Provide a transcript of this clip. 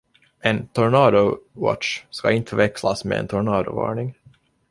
En ”tornado watch” ska inte förväxlas med en tornadovarning.